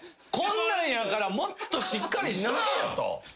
こんなんやからもっとしっかりしとけよと。